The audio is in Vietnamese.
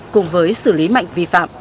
cùng với xử lý mạnh vi phạm